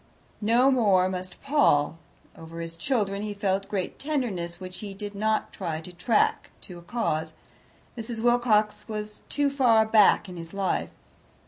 No more must Paul. Over his children he felt great tenderness, which he did not try to track to a cause: Mrs. Wilcox was too far back in his life.